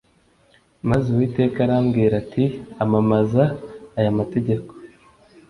maze uwiteka arambwira ati “amamaza aya mategeko”